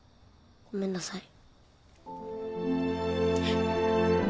ごめんなさい。